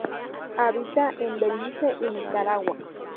Habita en Belice y Nicaragua.